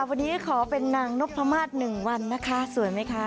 วันนี้ขอเป็นนางนกพระมาศหนึ่งวันนะคะสวยไหมครับ